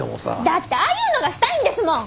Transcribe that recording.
だってああいうのがしたいんですもん。